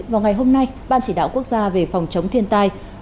vào ngày hôm nay ban chỉ đạo quốc gia về phòng chống thiên tai